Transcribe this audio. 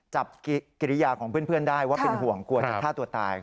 จับกิริยาของเพื่อนได้ว่าเป็นห่วงกลัวจะฆ่าตัวตาย